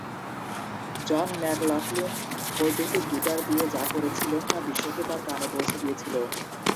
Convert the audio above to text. জন McLaughlin বৈদ্যুতিক guitar দিয়ে যা করেছিলেন, তা বিশ্বকে তার কানে পৌঁছে দিয়েছিল।